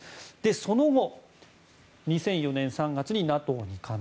その後、２００４年３月にＮＡＴＯに加盟。